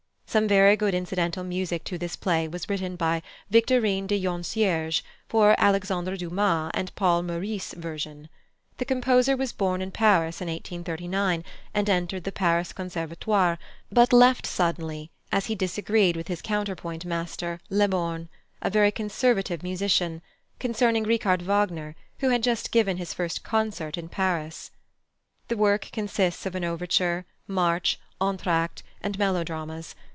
Some very good incidental music to this play was written by +Victorin de Joncières+ for Alexandre Dumas and Paul Meurice's version. The composer was born in Paris in 1839, and entered the Paris Conservatoire, but left suddenly, as he disagreed with his counterpoint master, Leborne (a very conservative musician), concerning Richard Wagner, who had just given his first concert in Paris. This work consists of an overture, march, entr'actes, and melodramas.